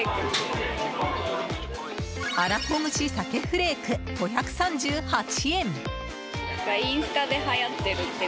荒ほぐし鮭フレーク５３８円。